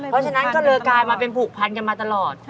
เพราะฉะนั้นก็เลยกลายมาเป็นผูกพันกันมาตลอด